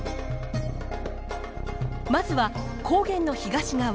まずは高原の東側